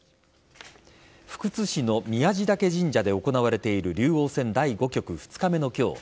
福津市の宮地嶽神社で行われている竜王戦第５局２日目の今日